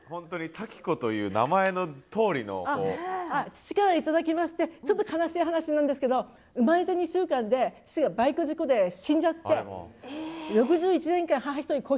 父から頂きましてちょっと悲しい話なんですけど生まれて２週間で父がバイク事故で死んじゃって６１年間母一人子